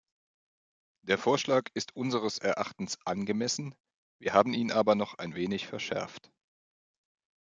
Der Vorschlag ist unseres Erachtens angemessen, wir haben ihn aber noch ein wenig verschärft.